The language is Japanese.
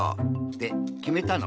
できめたの。